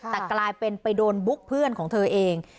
แต่กลายเป็นไปโดนบุ๊กเพื่อนของเธอเอง